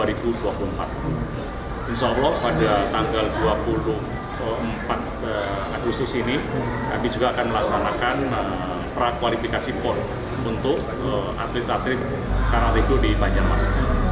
insya allah pada tanggal dua puluh empat agustus ini kami juga akan melaksanakan prakualifikasi por untuk atlet atlet karate itu di panjang mas